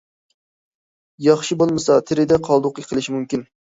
ياخشى بولمىسا، تېرىدە قالدۇقى قېلىشى مۇمكىن.